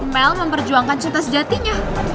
mel memperjuangkan cinta sejatinya